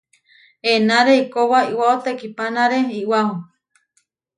Enáre eikóba iʼwáo tekihpánare iʼwáo.